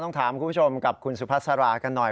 ต้องถามคุณผู้ชมกับคุณสุภาษารากันหน่อย